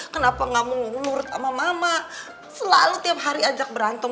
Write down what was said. kenapa gak mengulur sama mama selalu tiap hari ajak berantem